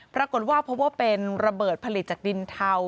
ปรากฏว่าพบว่าเป็นระเบิดผลิตจากดินเทา